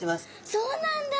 そうなんだ！